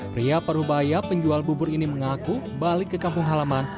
pria parubaya penjual bubur ini mengaku balik ke kampung halaman